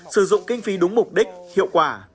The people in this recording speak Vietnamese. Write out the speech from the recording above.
sử dụng kinh phí đúng mục đích hiệu quả